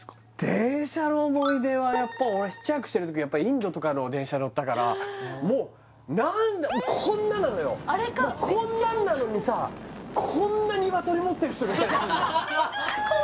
電車の思い出はやっぱ俺ヒッチハイクしてる時やっぱインドとかの電車乗ったからもう何だこんななのよこんなんなのにさこんな怖っ！